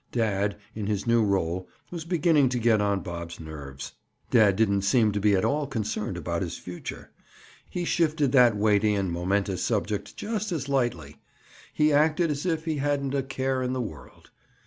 Dad, in his new role, was beginning to get on Bob's nerves. Dad didn't seem to be at all concerned about his future. He shifted that weighty and momentous subject just as lightly! He acted as if he hadn't a care in the world.